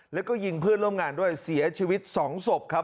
แล้วก็ยิงเพื่อนร่วมงานด้วยเสียชีวิต๒ศพครับ